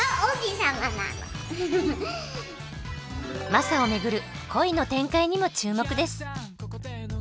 マサを巡る恋の展開にも注目です。